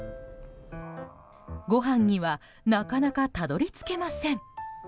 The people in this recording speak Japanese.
ご飯にはなかなかたどり着けません。